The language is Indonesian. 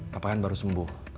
papa kan baru sembuh